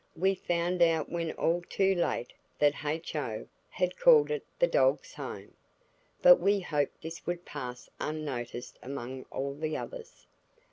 We found out when all too late that H.O. had called it the "Dog's Home." But we hoped this would pass unnoticed among all the others.